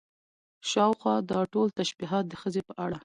شاوخوا دا ټول تشبيهات د ښځې په اړه